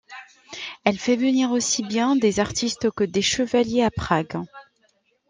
Elle fait venir aussi bien des artistes que des chevaliers à Prague.